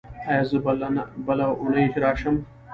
ایا زه بله اونۍ راشم؟